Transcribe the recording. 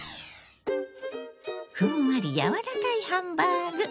ふんわり柔らかいハンバーグ。